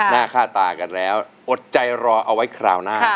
หน้าค่าตากันแล้วอดใจรอเอาไว้คราวหน้า